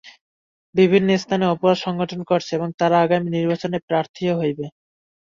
বিভিন্ন স্থানে অপরাধ সংঘটন করছে এবং তারা আগামী নির্বাচনে প্রার্থীও হবে।